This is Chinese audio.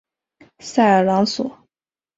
塞尔朗索。